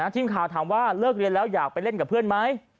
ทีมข่าวถามว่าเลิกเรียนแล้วอยากไปเล่นกับเพื่อนไหม